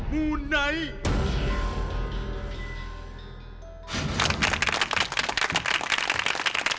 มูไนท์